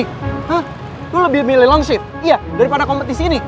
hah lu lebih milih long shift iya daripada kompetisi ini